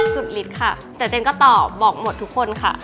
สุดฤทธิ์ค่ะแต่เจนก็ตอบบอกหมดทุกคนค่ะ